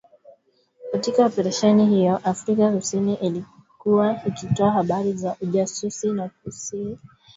Katika Oparesheni hiyo, Afrika kusini ilikuwa ikitoa habari za ujasusi na kusii inchi ivamie amani na usalama mahali pote